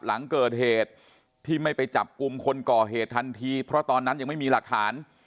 หลังเกิดเหตุที่ไม่ไปจับกลุ่มคนก่อเหตุทันทีเพราะตอนนั้นยังไม่มีหลักฐาน